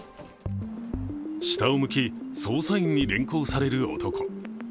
下を向き捜査員に連行される男。